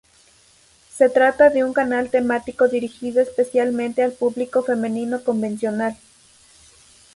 Se trata de un canal temático dirigido especialmente al público femenino convencional.